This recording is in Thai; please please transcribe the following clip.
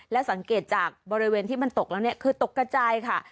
และสังเกตจากบริเวณที่มันตกแล้วเนี่ยคือตกกระจายค่ะ